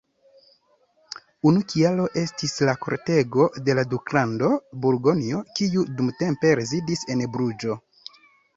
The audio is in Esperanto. Unu kialo estis la kortego de la Duklando Burgonjo, kiu dumtempe rezidis en Bruĝo.